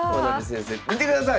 見てください！